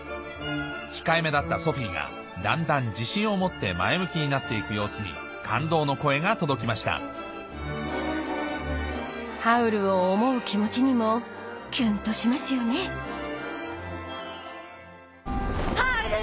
控えめだったソフィーがだんだん自信を持って前向きになって行く様子に感動の声が届きましたハウルを思う気持ちにもキュンとしますよねハウル！